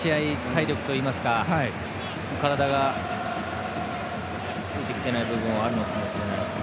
体力といいますか体がついてきていない部分があるかもしれないですね。